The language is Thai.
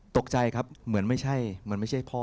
ตกใจครับเหมือนไม่ใช่พ่อ